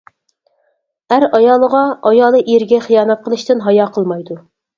ئەر ئايالىغا، ئايالى ئېرىگە خىيانەت قىلىشتىن ھايا قىلمايدۇ.